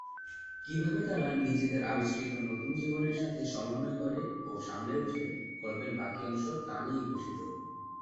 কীভাবে তারা নিজেদের আবিষ্কৃত নতুন জীবনের সাথে সমন্বয় করে ও সামলে উঠে, গল্পের বাকি অংশ তা নিয়েই গঠিত।